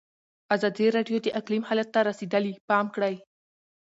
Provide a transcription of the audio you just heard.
ازادي راډیو د اقلیم حالت ته رسېدلي پام کړی.